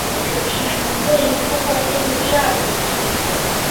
这一主题重复一次后进入第二主题。